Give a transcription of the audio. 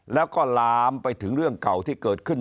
แล้วก็ลามไปถึงเรื่องเก่าที่เกิดขึ้น